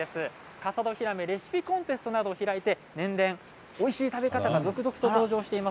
笠戸ひらめレシピコンテストなどを開いて、年々おいしい食べ方が続々と登場しています。